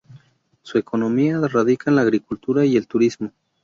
Su economía radica en la agricultura y el turismo.